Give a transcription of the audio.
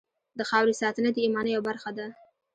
د خاورې ساتنه د ایمان یوه برخه ده.